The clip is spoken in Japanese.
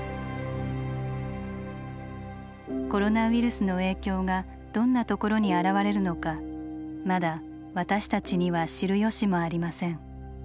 コロナウイルスの影響がどんなところに現れるのかまだ私たちには知る由もありません。